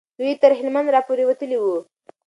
دوی تر هلمند را پورې وتلي وو.